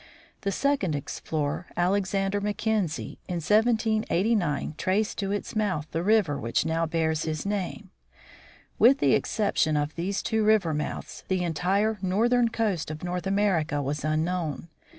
The second explorer, Alexander Mackenzie, in 1789 traced to its mouth the river which now bears his name. With the exception of these two river mouths, the entire northern coast'of North America was unknown.